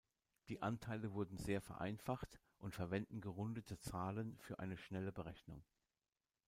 Die Anteile wurden sehr vereinfacht und verwenden gerundete Zahlen für eine schnelle Berechnung.